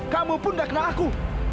kamu pun tidak kena aku